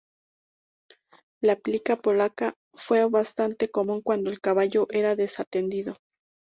La plica polaca fue bastante común cuando el cabello era desatendido.